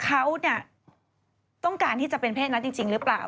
เขาเนี่ยต้องการที่จะเป็นเพศนั้นจริงหรือเปล่า